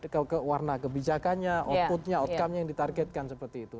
ke warna kebijakannya outputnya outcomenya yang ditargetkan seperti itu